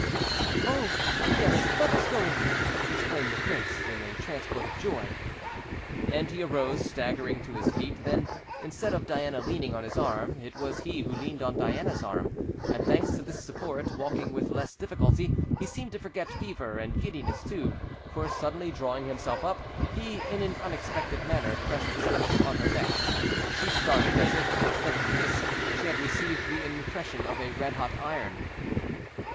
"Oh! yes, let us go in," exclaimed the prince in a transport of joy. And he arose, staggering, to his feet; then, instead of Diana leaning on his arm, it was he who leaned on Diana's arm; and thanks to this support, walking with less difficulty, he seemed to forget fever and giddiness too, for suddenly drawing himself up, he, in an unexpected manner, pressed his lips on her neck. She started as if, instead of a kiss, she had received the impression of a red hot iron.